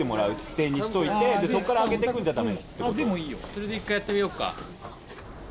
それで一回やってみようか。